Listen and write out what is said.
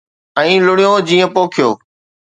،۽ لڻيو جيئن پوکيو